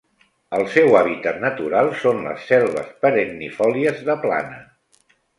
El seu hàbitat natural són les selves perennifòlies de plana.